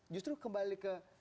justru kembali ke